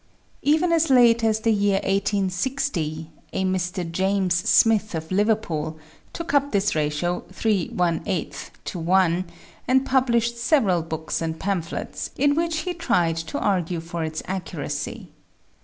Even as late as the year 1860, a Mr. James Smith of Liverpool, took up this ratio 3^ to I, and published several books and pamphlets in which he tried to argue for its accuracy.